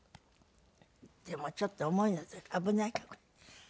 でもちょっと重いので危ないから。